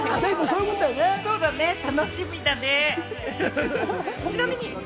そうだね、楽しみだね。